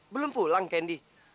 belum pulang kendi